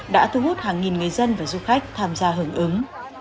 đã thu hút hàng nghìn người dân và du khách tham gia hưởng ứng